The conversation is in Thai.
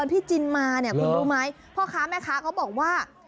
พี่จินมาเนี่ยคุณรู้ไหมพ่อค้าแม่ค้าเขาบอกว่า